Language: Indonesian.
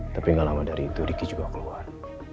tapi gak lama dari itu ricky juga keluar